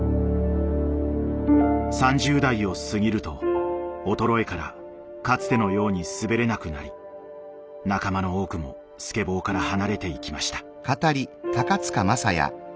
３０代を過ぎると衰えからかつてのように滑れなくなり仲間の多くもスケボーから離れていきました。